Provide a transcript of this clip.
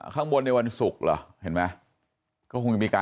ข้างบนในศุกร์หรือ